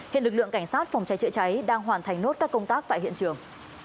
hiện lực lượng cảnh sát phòng cháy chữa cháy đang hoàn thành nốt các công tác tại hiện trường